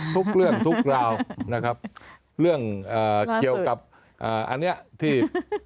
ทุกเรื่องทุกราวนะครับเรื่องเกี่ยวกับอันนี้ที่